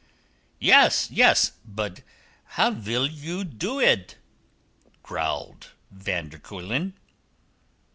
"Yes, yes! Bud how vill you do id?" growled van der Kuylen.